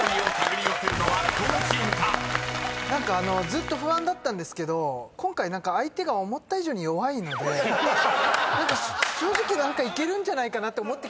ずっと不安だったんですけど今回相手が思った以上に弱いので正直何かいけるんじゃないかなって思ってきました。